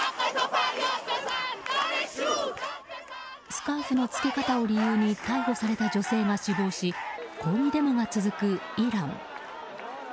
スカーフの着け方を理由に逮捕された女性が死亡し抗議デモが続くイラン。